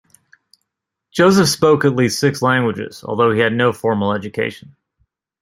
Joseph spoke at least six languages although he had no formal education.